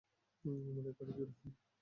আমার কার্ড চুরি হয়নি।